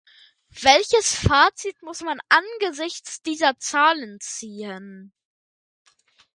Welches Fazit muss man angesichts dieser Zahlen ziehen?